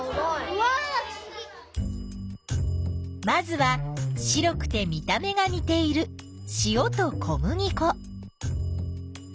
まずは白くて見た目がにているしおと小麦粉。